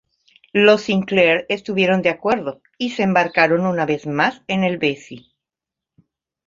Los Sinclair estuvieron de acuerdo, y se embarcaron una vez más en el "Bessie".